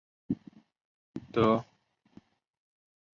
德布罗意关系式将普朗克关系式推广至物质波。